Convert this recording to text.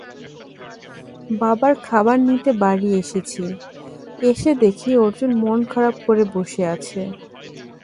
বাবার খাবার নিতে বাড়ি এসেছি, এসে দেখি অর্জুন মন খারাপ করে বসে আছে।